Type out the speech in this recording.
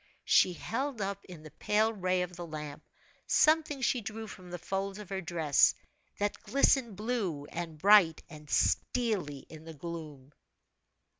She held up in the pale ray of the lamp, something she drew from the folds of her dress, that glistened blue, and bright, and steelly in the gloom.